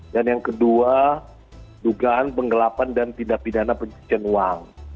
dan yang kedua dugaan penggelapan dan tindak pidana pencucian uang